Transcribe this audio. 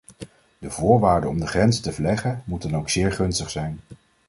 De voorwaarden om de grenzen te verleggen moeten dan ook zeer gunstig zijn.